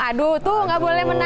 aduh tuh gak boleh menang